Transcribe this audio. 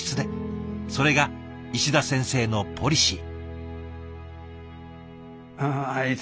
それが石田先生のポリシー。